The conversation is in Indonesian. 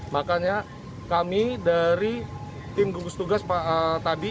makanya kami dari tim gugus tugas tadi